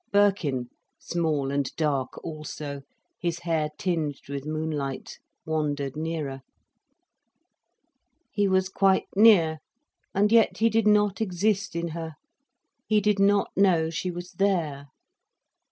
Birkin, small and dark also, his hair tinged with moonlight, wandered nearer. He was quite near, and yet he did not exist in her. He did not know she was there.